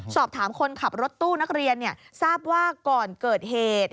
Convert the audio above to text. สอบถามคนขับรถตู้นักเรียนทราบว่าก่อนเกิดเหตุ